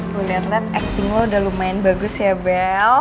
gue liat liat acting lo udah lumayan bagus ya bel